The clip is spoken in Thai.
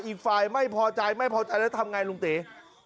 อีกฝ่ายไม่พอใจไม่พอใจแล้วทำไงลุงตี